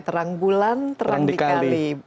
terang bulan terang dikali